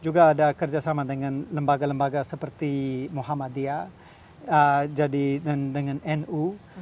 juga ada kerjasama dengan lembaga lembaga seperti muhammadiyah dan dengan nu